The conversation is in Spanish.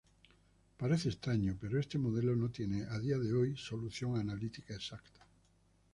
Parece extraño, pero este modelo no tiene a día de hoy solución analítica exacta.